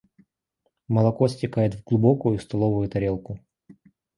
Молоко стекает в глубокую столовую тарелку.